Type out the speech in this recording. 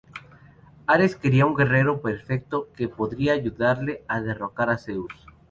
Ares quería un guerrero perfecto que podría ayudarle a derrocar a Zeus.